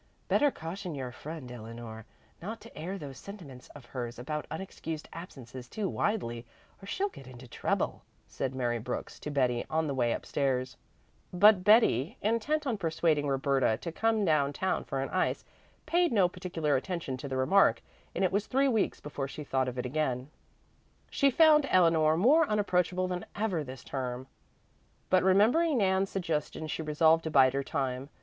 "Better caution your friend Eleanor not to air those sentiments of hers about unexcused absences too widely, or she'll get into trouble," said Mary Brooks to Betty on the way up stairs; but Betty, intent on persuading Roberta to come down town for an ice, paid no particular attention to the remark, and it was three weeks before she thought of it again. She found Eleanor more unapproachable than ever this term, but remembering Nan's suggestion she resolved to bide her time.